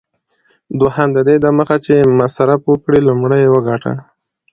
دوهم: ددې دمخه چي مصرف وکړې، لومړی یې وګټه.